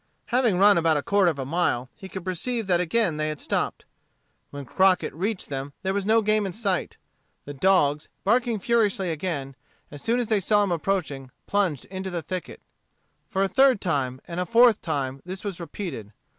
Having run about a quarter of a mile, he could perceive that again they had stopped. When Crockett reached them there was no game in sight. The dogs, barking furiously again, as soon as they saw him approaching plunged into the thicket. For a third time, and a fourth time, this was repeated.